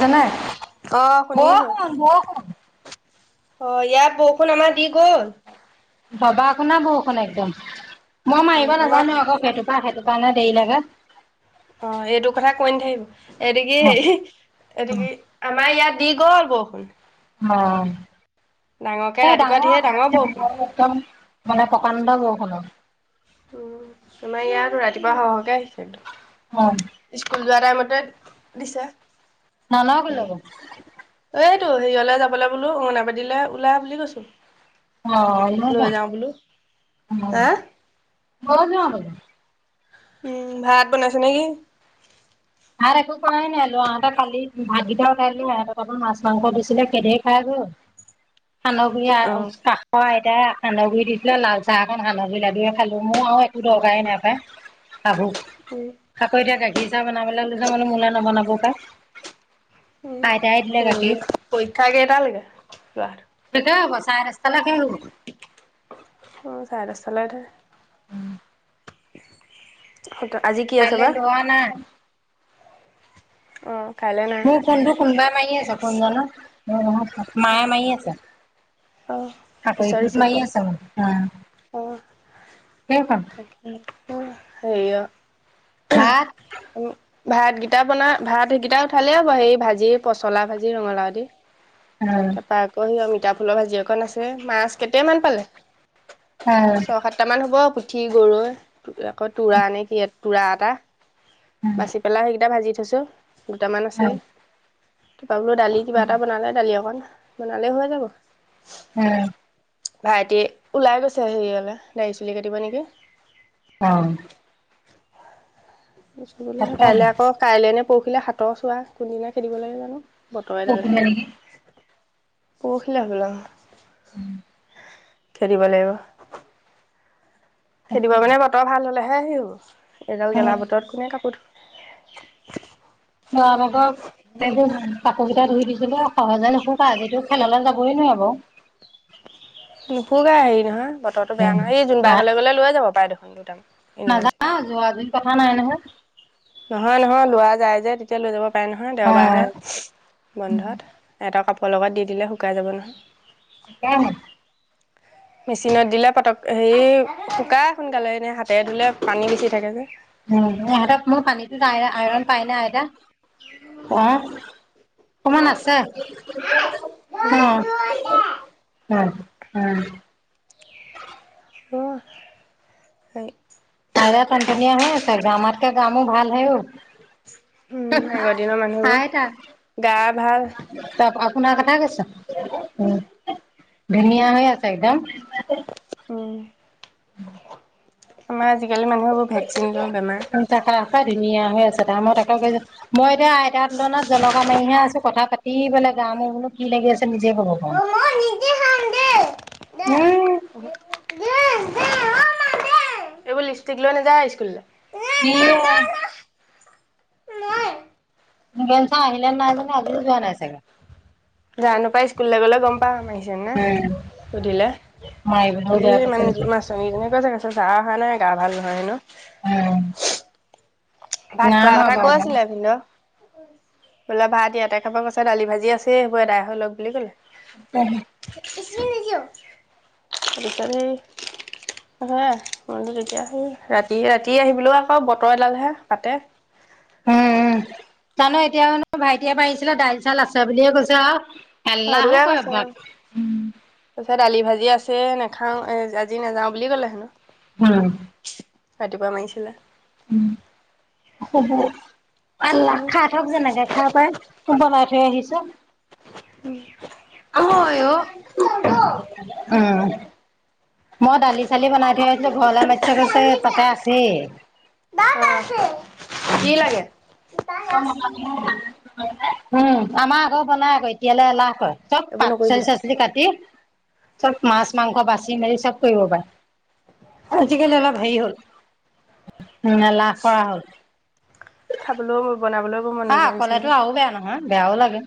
জানে আহ, শুনিছো বৰষুণ বৰষুণ অ, ' ইয়াত বৰষুণ আমাৰ দি গ'ল। ভবা আকো না [unintelligible] বৰষুণ একদম মই মাৰিব অ', আমাৰ নাজানো আকৌ সেইটো সেইটো কাৰনে দেৰি লাগে অ, ' এইটো কথা কৈ নথাকিব এইটো কি হে এইটো কি আমাৰ ইয়াত দি গল বৰষুণ অ, ডাঙৰকে ' এ ৰাতিপুৱা ডাঙৰ ধেৰ গ বৰষুণ। একদম মানে প্ৰকাণ্ড বৰষুণৰ উম, তোমাৰ ইয়াত ৰাতিপুৱা সৰ সৰকে আহিছে একদম। অ, ' স্কুল যোৱা টাইমতে দিছে ন লা গ লব [unintelligible] টো হেৰিয়লে যাবলৈ বোলো অংনাবাডীলৈ ওলা বুলি কৈছো। অ লৈ যাওঁ বোলো। এাদা হা অ গ [unintelligible] উম ভাত বনাইছে নেকি আৰ একো খুৱাই নাই লৰাহতে কালি ভাতকেইটা ওলাইলে মাছ মাংস ৰৈছিলে দিছিলে সেহেৰে খাই গ'ল। [inaudible] সান্দহ গুৰি আৰু উম, কাহ হয় এতিয়া সান্দহগুৰি দিছিলে লাল চাহ একন সান্দহ গুৰি লৈ কিনে খালো মোৰ আৰু একো দৰকাৰেই নাই পাই। খাবো উম। আাকৌ এতিয়া গাখীৰ চাহ বনাবলৈ ললো মানে মোলে নবনাব পাই। আইতাই দিলে উ গাখীৰ পৰীক্ষা কেইটালৈকে যোৱা দে হব চাৰে দহতা অ চাৰে দচটা লৈকে সেইটো আজি কি আছে কাইলে বা লোৱা নাই অ উম ফোনটো কোনোবাই মাৰি আছে কোন জানো মাযে মাৰি আছে। অঁ আকৌ পিছত হেকোট ৰিচিভ মাৰি কৰিবা। আছে। ম [unintelligible] [unintelligible] হেই অ'। ভাত। ভাতকেইটা বনাই, ভাত হেইকেইটা উঠালেই হ'ব। হেই ভাজি, পচলা ভাজি, ৰঙালাও দি অ তাৰপা আকৌ সেই অমিতা ফুলৰ ভাজি অকন আছে। মাছ কেটেমান পালে? অ অ ছয় -সাতটা মান হ'ব। পুঠি, গৰৈ আকৌ তোৰা নে কি এত তুৰা এটা। বাচি পেলাই সেইকেইটা ভাজি থৈছো। দুটামান আছেই। অ বোলো দালি, কিবা এটা বনালে। দালি অকণ বনালে হৈ যাব। উম ভাইটি ওলাই গৈছে হেৰি হলে দাৰি চুলি কাটিব নেকি অ কাইলৈ তাকেহে আকৌ কাইলে নে পৰখিলে হাতৰ চোৱা কোনদিনা খেদিব লাগে জানো। পৰখিলে নেকি পৰখিলে হবলা [inaudible] খেদিব লাগিব খেদিব মানে বতৰ ভাল হলেহে আহিব এইডাল গেলা বতৰত কোনে কাপোৰ ধুব [inaudible] ধুৱা ভাগক, একো ধোৱা নাই। কাপোৰ কেইটা ধুই দিছিলো হে, সহজে নুশুকায়। আজিতো খেললৈ যাবই নোৱাৰিব। নুশুকাই। হেৰি নহয়, বতৰটো বেয়া নহয়। এই জোনবাইৰ ঘৰলৈ গ'লে লৈ যাব পাৰে দেখোন দুটামান। তিনিখন চেট। নাযাও। যোৱাজুৰি কথা নাই নহয়। নহয়। নহয়। লোৱা যায় যে- তেতিয়া লৈ যাব পাৰে নহয়। বা দেওবাৰেহে বন্ধত। এটা কাপোৰৰ লগত দি দিলে শুকাই যাব নহয়। [unintelligible] মেচিনত দিলে পতক, হেৰি শুকাই সোনকালে। এনে হাতেৰে ধুলে পানী বেছি থাকে যে উম। ইহঁতক মোৰ পানীটোত আইৰণ পাই নে আইতা? [unintelligible] অকমান আছে। অহ। [unintelligible] উম। [unintelligible] হেই। আইতা টন-টনিয়া হৈ আছে। গা আমাতকৈ গা-মূৰ ভাল হে হ'ল। উম আগৰ দিনৰ মানুহবোৰ আইতা। গা ভাল তা -পা শুনা কথা কৈছে। উম। ধুনীয়া হৈ আছে একদম। উম। আমাৰ আজিকালি মানুহবোৰ ভেকচিন লৈ বেমাৰ। তাকে ধুনীয়া হৈ আছে তাই, মই তাকেই কৈছো। মই এতিয়া আইতাৰ তুলনাত জলকা মাৰিহে আছো। কথা-পাতি কি বোলে, গা-মূৰ বোলো কি লাগি আছে? নিজেই কব পাও। অ মই নিজে খাম দে দে হম। দে অ' মা দে। এইবোৰ লিপষ্টিক লৈ নাযায় স্কুললৈ। [unintelligible] নাই। মিদুল চাৰ আহিল নে নাই জানো, আজি যোৱা নাই চাগে। যা নো পাই, স্কুললৈ গ'লে গম পাম আহি জানে, উম। সুধিলে। মাৰিবলৈও খালি বেয়া সেই পাইছে মানুহ নেকি? মাছটনীজনীকেজনী কৈছে, চাৰ অহা নাই গা- ভাল নহয় ন। উ। ভাত খোৱাৰ কথা কৈছিলে, ভিনদেউ। বোলে ভাত ইয়াতে খাব। কৈছে দালি -ভাজি আছে। সেই বোৰ এদাই হৈ লওঁক বুলি কলে। উ। বিছি নিদো। বিচনী হম তেতিয়া শু। ৰাতি -ৰাতি আহিবলৈও আকৌ বতৰ ডালহে। পাতে। উম জানো এতিয়ানো ভাইটিয়ে পঢিছিলে [unintelligible] দাইল চাল আছে বুলিয়ে কৈছে আৰু। এলাহো সেইটোকে কবা উম। [unintelligible] ত দালি ভাজি আছে নাখাওঁ এ আজি নাযাওঁ বুলি ক'লে হেনো। উম। ৰাতিপুৱা মাৰিছিলে। উম। শুব আ্ল [unintelligible] খাই থক যেনেকে খাই পাৰে বনাই। সেই আহিছে। উম। হয় অ। উম। মই দালি- চালি বনাই থৈ আহিছিলো। ঘৰলৈ মাতিছে। কৈছে তাতে আছেই। কি লাগে? [unintelligible] উম আমাৰ আকৌ বনাই। এতিয়ালৈ এলাহ কৰে। চব এইবোৰ পাক, নকৰিবি পাচলি -চাচলি কাটি। চব মাছ মাংস বাচি মেলি চব কৰিব পাৰে আজিকালি অলপ হেৰি হ'ল। উ লাাপ। [unintelligible] খাবলৈও। বনাবলৈও মন আহ নোযোৱা নিচিনা কলেতো আৰু বেয়া নহয় বেয়াও লাগে।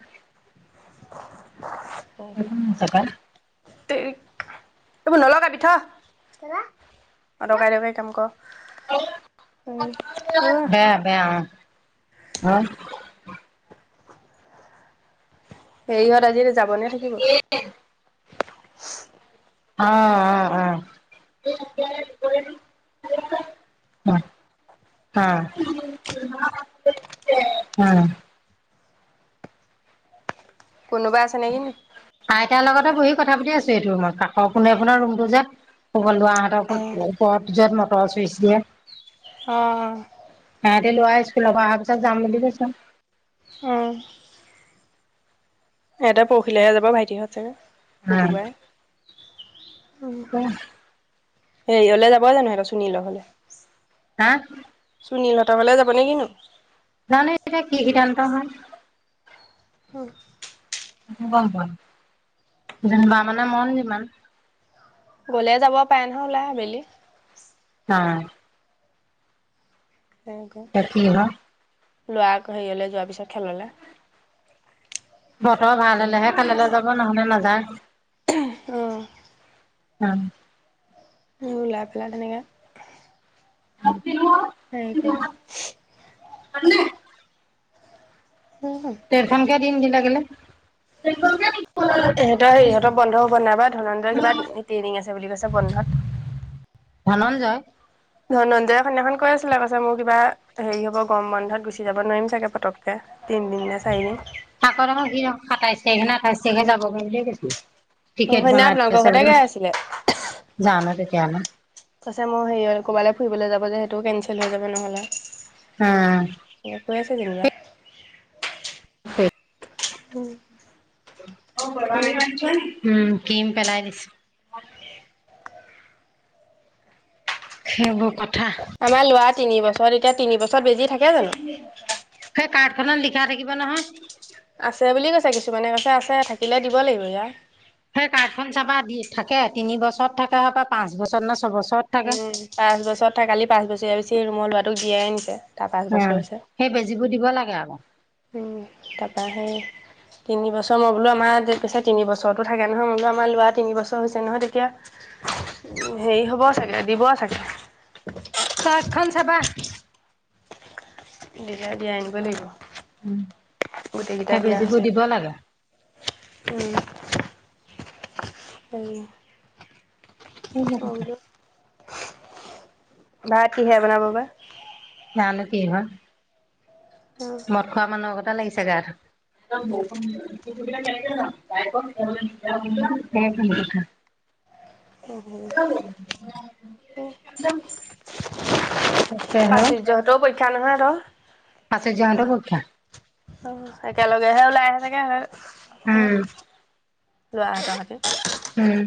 তাৰপৰা [unintelligible] এইবোৰ নলগাবি থ অদৰকাৰী অদৰকাৰী কাম কৰ। বেয়া বেয়া অ হ। সেৰি ইহঁত আজি যাব নে থাকিব। অ অ অ। অ। [unintelligible] হ উম। কোনোবা আছে নেকি নি? আইতাৰ লগতে বহি কথা পাতি আছো। সেইটো ৰুমত কাষৰ পোনে পোনে ৰুমটো যে কব ল [unintelligible] হতৰ অ'। ওপৰত য। কছছিল [unintelligible] দে। অঁ। সিহতি লোৱা স্কুলৰ পৰা অহা পিছত যাম বুলি কৈছো। আহ। এটা পৰহিলৈহে যাব ভাইটিহতে শুকুৰবাৰে। উ। হেৰিয়লে যাব জানো সেই চুিনিলৰ ঘৰলে। হা। সুনীলহঁতৰ ফালে যাব নে কিনো। জানে এতিয়া কি হিদান্ত [unintelligible] লয়। হ গম পম যেনিবা মানে মন যিমান গ'লে যাব পাৰে নহয় ওলাই আবেলি অ কতি হ [unintelligible] লোৱা [unintelligible] হেৰি হলে যোৱাৰ পিছত খেললে বতৰ ভাল হলেহে খেললৈ যাব নহলে নাযায় আহ উম ম লপেলডনেক [unintelligible] অ সেইব [unintelligible] [unintelligible] [unintelligible] ট্ৰেইনখনকে দিম দি লাগিলে। ইহঁতৰ হে ইহঁতৰ বন্ধ হ'ব নাই বা ধন্য় কিবা ট্ৰেইনিং আছে বুলি কৈছে বন্ধত। ধনঞ্জয়। ধনন্জয় সেইদিনাখন কৈ আছিলে আ কৌছে মোৰ কিবা হেৰি হব গৰম বন্ধত গুচি যাব নোৱাৰিম চাগে পটককে। থাকৰ সি সাতাইছ তাৰিখে নে আঠাইছ তাৰিখে যাবগৈ বুলি কৈছে অ টিকেট সেইদিনা বনাই আপোনালোকৰ থৈছে ঘৰতে বুলি গাই আছিলে কৈছে জানো তেতিয়া হ'লে। পাছে মোৰ হেৰি ক'ৰবালৈ ফুৰিবলৈ যাব যে সেইটো কেনঞ্চেল হৈ যাব নহলে। উম কনা [unintelligible] উম কিম পেলাই দিছো সেইবোৰ কথা আমাৰ লৰা তিনিবছৰত এতিয়া তিন বছৰত বেজি থাকে জানো কাৰ্ড খনত লিখা থাকিব নহয়। আছে বুলি কৈছে কিছুমানে কৈছে আছে থাকিলে দিব লাগিব এতিয়া। সেই কাৰ্ড খন চাবা দি থাকে তিনি বছৰত থাকে বা পাঁচ বছৰত ন ছয়বছৰ। উম পাঁচ বছৰ থাকালি পাঁচ বছৰীয়া পিছি ৰুমৰ লৰাটোক দিয়া নিছে। তাৰ পাঁচ উ বছৰ সেই বেজিবোৰ দিব লাগে আকৌ। তাৰপাহে। তিনি বছৰ মই বোলো আমাৰ পিছে তিন বছৰৰতো থাকে নহয় মই বো আমাৰ ল'ৰাৰ তিনি বছৰ হৈছে নহয় তেতিয়া। হেৰি হ'ব চাগে দিব চাগে। কাৰ্ট খন চাবা। দিলে দিয়াই আনিব লাগিব গোটেইকেইটা সেই বিয়া বেজীবোৰ হৈছে দিব নেকি। লাগে [unintelligible] [unintelligible] ভাত কিহে বনাব বা? জানো কি হয়। মদ খোৱা মানুহৰগতে লাগিছে গা [unintelligible] [unintelligible] পাচুৰ্যহতৰ পৰীক্ষা নহয় আৰু পাচুৰ্যহতৰ পৰীক্ষা? অ একেলগেহে ওলাই আহে চাগে। উম। লোৱা তাহাতি উম।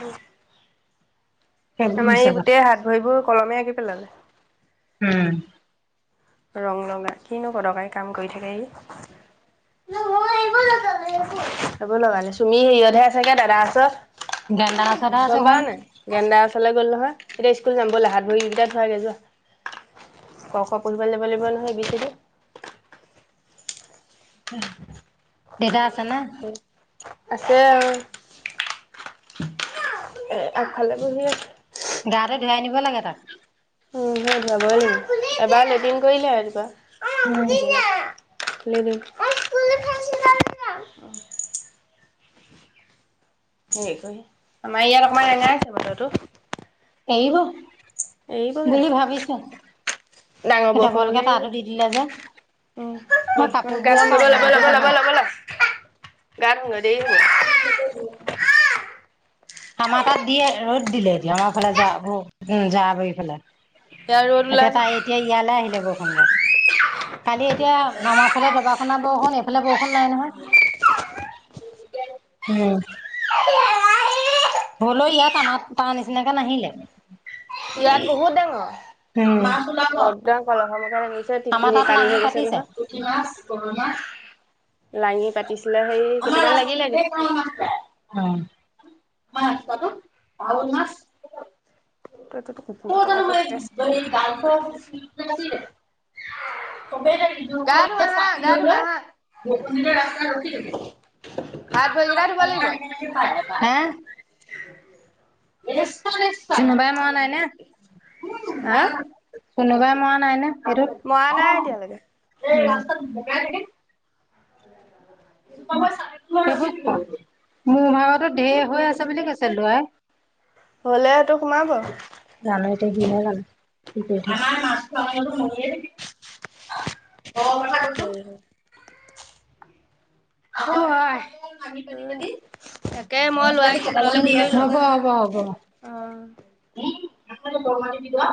উম। সেইবোৰ আমাৰ হৈছে এই কথা গোটেই হাত ভৰিবোৰ কলমে আঁকি পেলালে। হম। ৰং লগাই কিনো কদৰকাৰী কাম কৰি থাকে ই। একো লগোৱা নাই তুমি হেৰিয়তহে আচেগে দাদাৰ ওছৰত। গেন্দাৰ ওচৰতহে আছে চম্পা হন নাই গেন্দা গ'ল নহয় এতিয়া স্কুল যাম বলা হাত ভৰিকেইটা ধোৱাগেই যোৱা ক ক পঢ়িব লাগিব লাগিব নহয় এ বি চি দি দেতা আছে নে? আছে আৰু এ' আগফালে বহি আছে। গাতো ধুৱাই আনিব লাগে তাক। উম উম যাবই লাগিব এবাৰ [unintelligible] লেটিন কৰিলে উম লদম [unintelligible] স আমাৰ ইয়াত অকণমান ৰেঙা [unintelligible] আছে বতৰটো এৰিব এইব [unintelligible] এৰিবগে বুলি ভাবিছো ডাঙৰ বৰষুণ ডবলকে হলে তাতো দি দিলে যে উ মই বস্ত গা কাপোৰবোৰৰ পৰা গাব আনো ল'ব অইনটো ল'ব ল'ব নহয়। ল'ব ল [unintelligible] গা ধুংগে দেৰি হব [unintelligible] আমাৰ তাত দিয়ে ৰ'দ দিলে এ আমাৰ ফালে য উম যাৱা গুৰি [unintelligible] ফালে ইয়াৰ ৰ'দ এতিয়া ওলালে। তাই এতিয়া ইয়ালৈ আহিলে বৰষুণ জাক। কালি এতিয়া নমা ফালে দবা খুনা বৰষুণ এইফালে বৰষুণ নাই নহয়। উম। [unintelligible] হ'লেও ইয়াত আমাৰ তাৰ নিচিনাকে নাহিলে। ইয়াত বহুত উম মাছ ওলাব। ডাঙৰ একদম কলহ আমাৰ তাত লাঙি পাতিছে পুঠি মাছ গৰৈ মাছ। লাঙি পাতিছিলে সেই অ'। মই কেইটামান লাগিলে [unintelligible] পাৱৈ মাছ। তটো [unintelligible] ত তান ম ব গান চ [unintelligible] সবেই গা ধুম দেজসক আহা চাকি গা লৈ ধুবা আহা বৈকন্দ ৰাস্তাত ৰখি থাকি হাত ভৰিকেইটা ধুব লাগিব। [unintelligible] হা কোনিবাই মোৱা [unintelligible] নাই ন হা চুনোবাই মৰা নাইনে মৰা নাই এতিয়ালৈকে মোৰ ভাগতো ঢেৰ হৈ আছে বুলি কৈছে লৰাই হ'লে সেইটো সোমাব। হয় জানো এতিয়া হিহে জানে ঠিকে আমাৰ মাছটো আমোকো মে হয় হয় অ অ আহি [unintelligible] ক হয়। তাকে মই ল'ৰাক স্কুললৈ কি হেৰি কৰি লওঁ। হ'ব হ'ব হ'ব অ'। বৰ দিব দ [unintelligible]